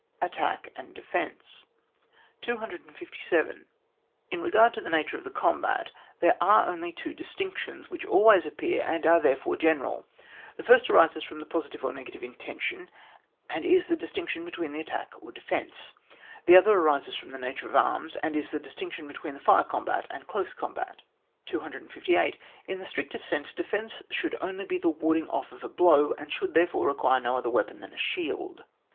Attack and Defence, 257. In regard to the nature of the combat, there are only two distinctions, which always appear, and are therefore general; the first arises from the positive or negative intention, and is the distinc tion between attack or defence ; the other arises from the nature of arms, and is the distinction between the fire combat and close combat. 258. In the strictest sense, defence should only be the warding off a blow, and should therefore require no other weapon than a shield.